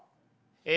え